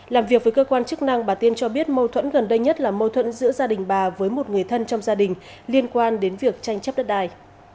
làm việc với cơ quan chức năng bà tiên cho biết mâu thuẫn gần đây nhất là mâu thuẫn giữa gia đình bà với một người thân trong gia đình liên quan đến việc tranh chấp đất đài